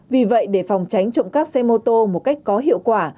vì vậy để phòng tránh trộm cắp xe mô tô một cách có hiệu quả